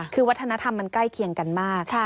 คือวัฒนธรรมมันใกล้เคียงกันมาก